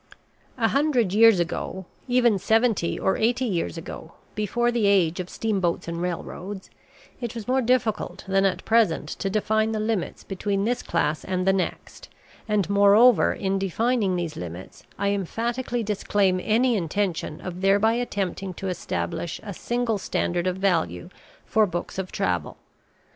A hundred years ago, even seventy or eighty years ago, before the age of steamboats and railroads, it was more difficult than at present to define the limits between this class and the next; and, moreover, in defining these limits I emphatically disclaim any intention of thereby attempting to establish a single standard of value for books of travel.